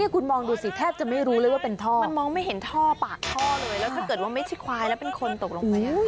คุณมองดูสิแทบจะไม่รู้เลยว่าเป็นท่อมันมองไม่เห็นท่อปากท่อเลยแล้วถ้าเกิดว่าไม่ใช่ควายแล้วเป็นคนตกลงไป